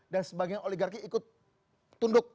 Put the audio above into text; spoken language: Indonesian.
dan sebagian oligarki ikut tunduk